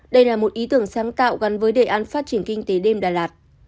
đây là một ý tưởng sáng tạo gắn với đề án phát triển kinh tế đêm đà lạt